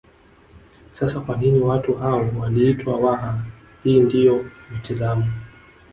Sasa kwa nini watu hao waliitwa Waha hii ndiyo mitazamo